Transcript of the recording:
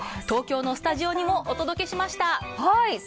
東京のスタジオにもお届けしました。